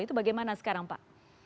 itu bagaimana sekarang pak